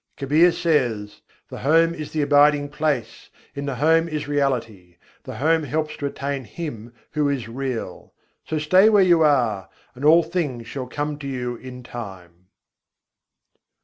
Kabîr says: "The home is the abiding place; in the home is reality; the home helps to attain Him Who is real. So stay where you are, and all things shall come to you in time."